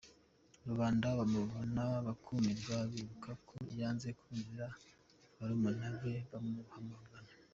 Rubanda bamubona bakumirwa bibuka ko yanze kumvira barumuna be bamuhanaga.